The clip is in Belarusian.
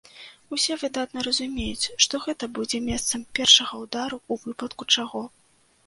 Усе выдатна разумеюць, што гэта будзе месцам першага ўдару ў выпадку чаго.